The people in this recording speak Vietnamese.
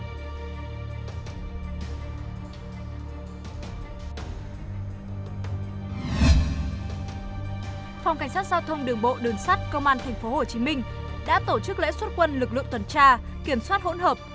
phòng cảnh sát giao thông đường bộ đường sắt công an thành phố hồ chí minh đã tổ chức lễ xuất quân lực lượng tuần tra kiểm soát hỗn hợp